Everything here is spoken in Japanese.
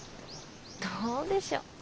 どうでしょう。